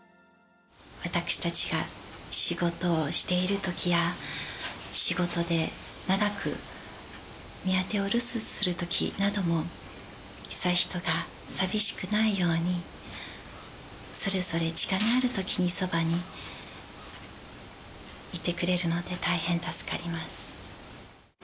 私たちが仕事をしているときや、仕事で長く宮邸を留守するときなども、悠仁が寂しくないように、それぞれ時間があるときに、そばにいてくれるので、大変助かります。